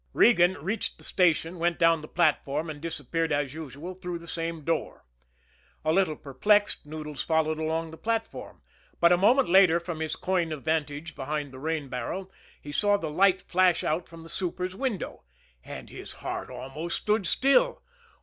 Regan reached the station, went down the platform, and disappeared as usual through the same door. A little perplexed, Noodles followed along the platform; but, a moment later, from his coign of vantage behind the rain barrel, he saw the light flash out from the super's window and his heart almost stood still.